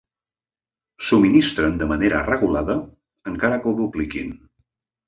Subministren de manera regulada, encara que ho dupliquin.